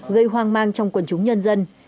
gây hoang mang trong quần chúng nhân dân